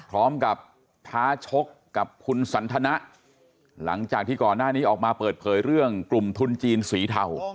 ท้าชกกับคุณสันทนะหลังจากที่ก่อนหน้านี้ออกมาเปิดเผยเรื่องกลุ่มทุนจีนสีเทา